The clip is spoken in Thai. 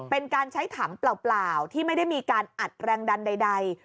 เป็นการใช้ถังเปล่าที่ไม่ได้มีการอัดแรงดันใด